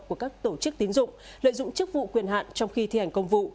của các tổ chức tín dụng lợi dụng chức vụ quyền hạn trong khi thi hành công vụ